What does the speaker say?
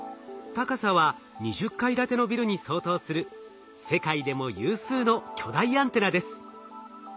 高さは２０階建てのビルに相当する世界でも有数の巨大アンテナです。